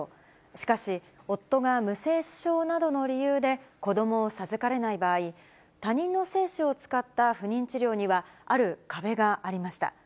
しかし、夫が無精子症などの理由で、子どもを授かれない場合、他人の精子を使った不妊治療には、ある壁がありました。